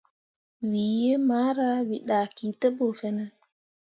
Wǝ yiimara, wǝ dahki te ɓu fine.